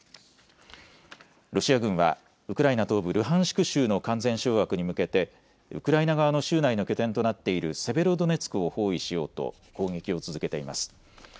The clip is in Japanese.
ロシア軍は、ウクライナ東部ルハンシク州の完全掌握に向けて、ウクライナ側の州内の拠点となっているセベロドネツクを包囲しようと、砲撃を続けています。